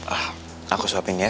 ah aku suapin ya